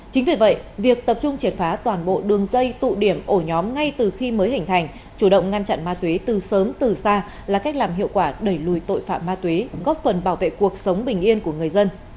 chính vì vậy việc tập trung triệt phá toàn bộ đường dây tụ điểm ổ nhóm ngay từ khi mới hình thành chủ động ngăn chặn ma túy từ sớm từ xa là cách làm hiệu quả đẩy lùi tội phạm ma túy góp phần bảo vệ cuộc sống bình yên của người dân